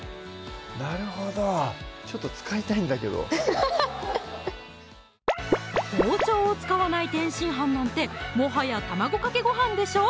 なるほどちょっと使いたいんだけど包丁を使わない天津飯なんてもはや卵かけご飯でしょ！